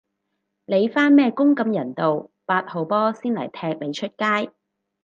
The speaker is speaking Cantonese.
你返咩工咁人道，八號波先嚟踢你出街